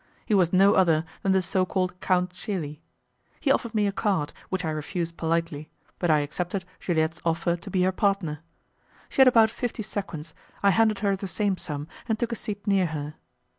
He was no other than the so called Count Celi. He offered me a card, which I refused politely, but I accepted Juliette's offer to be her partner. She had about fifty sequins, I handed her the same sum, and took a seat near her.